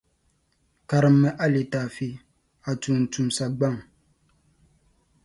Karimmi a litaafi,a tuuntumsa gbaŋ.